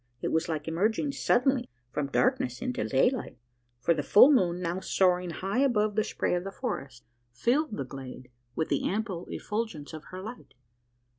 It was like emerging suddenly from darkness into daylight: for the full moon, now soaring high above the spray of the forest, filled the glade with the ample effulgence of her light.